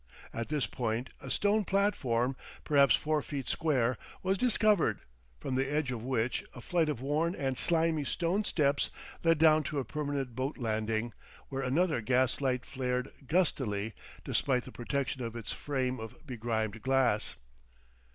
At this point a stone platform, perhaps four feet square, was discovered, from the edge of which a flight of worn and slimy stone steps led down to a permanent boat landing, where another gas light flared gustily despite the protection of its frame of begrimed glass.